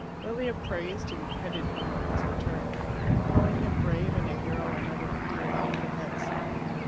Lilia praised and petted him on his return, calling him brave and a hero and other endearing epithets.